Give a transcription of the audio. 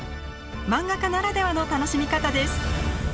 漫画家ならではの楽しみ方です！